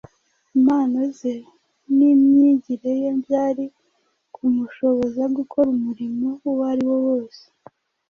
impano ze n’imyigire ye byari kumushoboza gukora umurimo uwo ari wo wose.